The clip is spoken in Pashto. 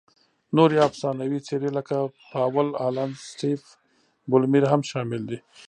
نورې افسانوي څېرې لکه پاول الن، سټیف بولمیر هم شامل دي.